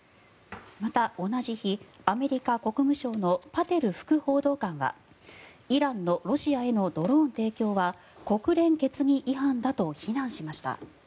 また、同じ日アメリカ国務省のパテル副報道官はイランのロシアへのドローン提供は国連決議違反だと非難しました。